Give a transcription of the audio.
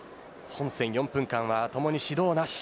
本戦４分間はともに指導なし。